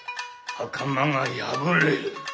「袴が破れる」。